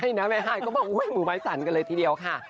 ใช่นะแม่ฮายก็บอกมือไม้สั่นกันเลยทีเดียวค่ะ